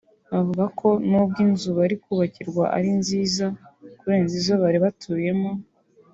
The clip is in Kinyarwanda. Bavuga ko nubwo inzu bari kubakirwa ari nziza kurenza izo bari batuyemo